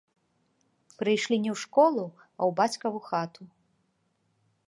Прыйшлі не ў школу, а ў бацькаву хату.